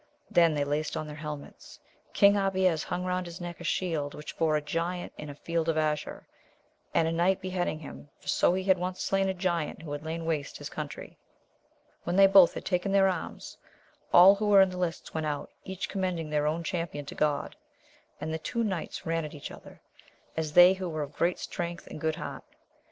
Then they laced on their helmets. Eang Abies hung round his neck a shield, which bore a giant in a field azure, and a knight beheading him, for so he had once slain a giant who had lain waste his country. When they both had taken their arms, all who were in the lists went out, each commending their own champion to God ; and the two knights ran at each other, as they who were of great strength and good heart.